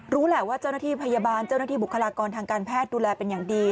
รู้แหละว่าเจ้าหน้าที่พยาบาลเจ้าหน้าที่บุคลากรทางการแพทย์ดูแลเป็นอย่างดี